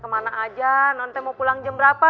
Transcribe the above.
kemana aja non teh mau pulang jam berapa